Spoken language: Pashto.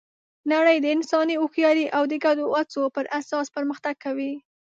نړۍ د انساني هوښیارۍ او د ګډو هڅو پر اساس پرمختګ کوي.